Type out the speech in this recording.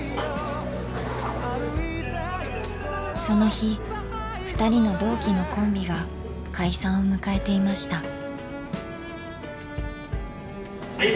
その日ふたりの同期のコンビが解散を迎えていました。